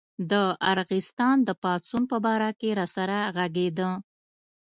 د ارغستان د پاڅون په باره کې راسره غږېده.